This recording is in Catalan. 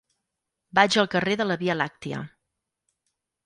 Vaig al carrer de la Via Làctia.